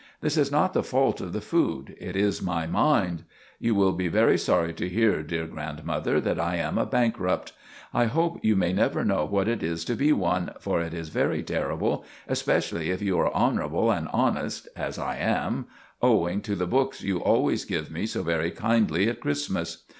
This is not the fault of the food. It is my mind. You will be very sorry to hear, dear grandmother, that I am a bankrupt. I hope you may never know what it is to be one, for it is very terrible, especially if you are honourable and honest, as I am, owing to the books you always give me so very kindly at Christmas.